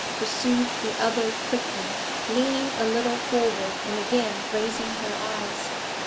pursued the other quickly, leaning a little forward and again raising her eyes.